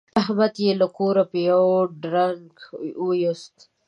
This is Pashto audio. احمد يې له کوره په يوه دړدنګ ویوست.